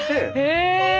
へえ。